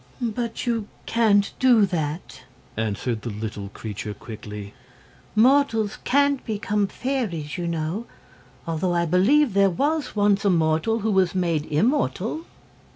"But you can't do that," answered the little creature quickly. "Mortals can't become fairies, you know although I believe there was once a mortal who was made immortal."